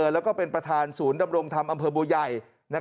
แล้วก็เป็นประธานศูนย์ดำรงธรรมอำเภอบัวใหญ่